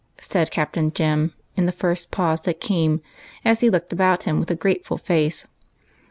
" said Captain Jem in the first pause that came, as he looked about him with a grateful face.